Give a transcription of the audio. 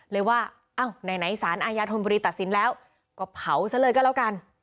เลยว่าอ้าวไหนสารอาญาธนบุรีตัดสินแล้วก็เผาซะเลยก็แล้วกัน